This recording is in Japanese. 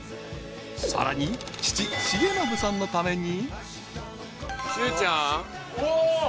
［さらに父成伸さんのために］